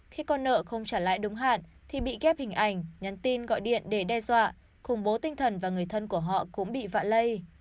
khi con nợ không trả lại đúng hạn thì bị ghép hình ảnh nhắn tin gọi điện để đe dọa khủng bố tinh thần và người thân của họ cũng bị vạ lây